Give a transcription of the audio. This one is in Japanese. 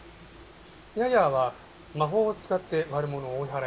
ヤヤーは魔法を使って悪者を追い払います。